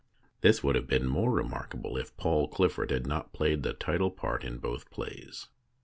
This would have been more remarkable if Paul Clifford had not played the title part in both plays.